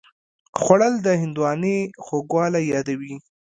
خوړل د هندوانې خوږوالی یادوي